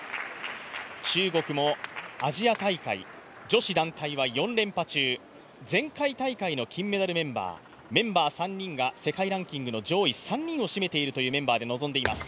中国もアジア大会、女子団体は４連覇中、前回大会の金メダルメンバー、メンバー３人が世界ランキング上位３人を占めているというメンバーで臨んでいます。